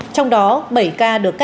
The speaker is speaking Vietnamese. trong đó bảy ca được cắt